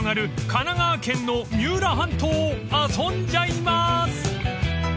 神奈川県の三浦半島を遊んじゃいます！］